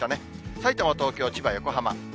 さいたま、東京、千葉、横浜。